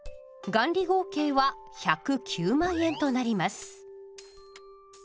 元利合計は１０９万円となります。